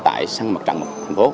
tại sân mặt trận thành phố